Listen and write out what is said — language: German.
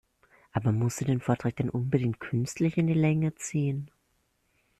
Aber muss sie den Vortrag denn unbedingt künstlich in die Länge ziehen?